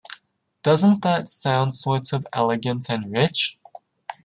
Doesn't that sound sort of elegant and rich?